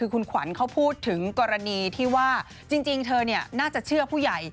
คุณขวัญเขาพูดถึงกรณีที่ว่าจริงเธอน่าจะเชื่อผู้ใหญ่